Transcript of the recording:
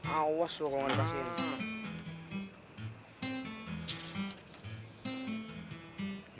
awas lu kalau nggak dikasih ini